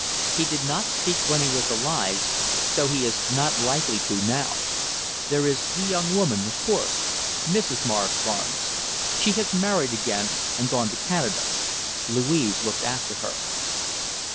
He did not speak when he was alive, so he is not likely to now. There is the young woman, of course, Mrs. Morris Barnes. She has married again and gone to Canada. Louise looked after her."